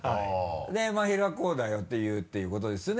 でまひるはこうだよって言うっていうことですよね？